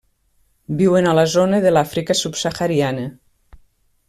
Viuen a la zona de l'Àfrica subsahariana.